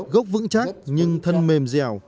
gốc vững chắc nhưng thân mềm dẻo